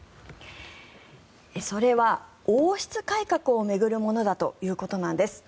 それは王室改革を巡るものだということなんです。